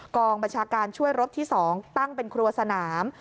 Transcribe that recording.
กองบัญชาการช่วยรบที่๒ตั้งเป็นครัวสนาม